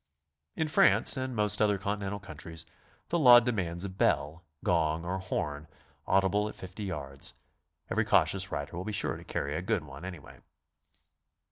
In Fran'ce and most other Continental countries the law demands a bell, gong, or horn, audible at 50 yards. Every cautious rider will be sure to carry a good one any way.